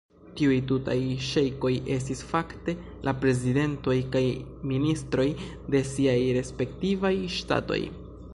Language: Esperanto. Tiuj tutaj ŝejkoj estis fakte la prezidentoj kaj ministroj de siaj respektivaj ŝtatoj.